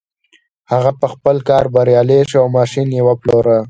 هغه په خپل کار بريالی شو او ماشين يې وپلوره.